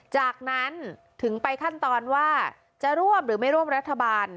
จากนั้นถึงไปขั้นตอนว่าจะร่วมหรือไม่ร่วมรัฐบาล